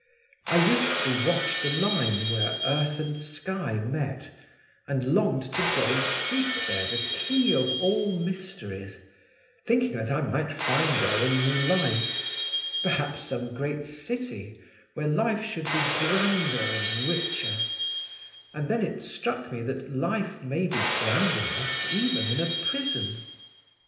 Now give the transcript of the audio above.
I used to watch the line where earth and sky met, and longed to go and seek there the key of all mysteries, thinking that I might find there a new life, perhaps some great city where life should be grander and richer—and then it struck me that life may be grand enough even in a prison."